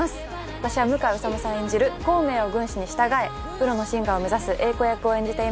私は向井理さん演じる孔明を軍師に従えプロのシンガーを目指す英子役を演じています。